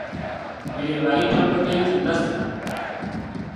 Mirembe ayita munne nti Nassali?